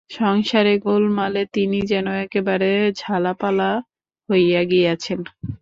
সংসারের গোলমালে তিনি যেন একেবারে ঝালাপালা হইয়া গিয়াছেন।